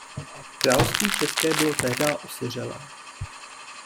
Království české bylo tehdá osiřelé.